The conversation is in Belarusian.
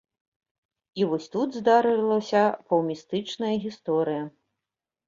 І вось тут здарылася паўмістычная гісторыя.